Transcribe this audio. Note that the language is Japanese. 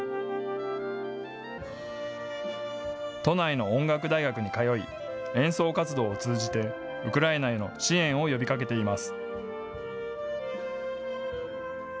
都内の音楽大学に通い演奏活動を通じてウクライナへの支援を呼びかけています。